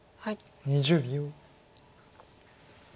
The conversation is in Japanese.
２０秒。